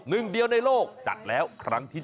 หนึ่งเดียวในโลกจัดแล้วครั้งที่๓